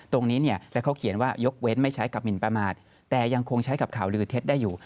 ตรงนี้เนี่ยแล้วเขาเขียนว่ายกเว้นไม่ใช้กับหมินประมาทแต่ยังคงใช้กับข่าวลือเท็จได้อยู่